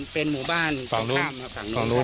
เป็นหมู่บ้านของข้ามข้างนู้น